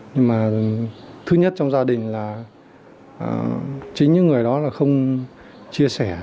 nhưng mà thứ nhất trong gia đình là chính những người đó là không chia sẻ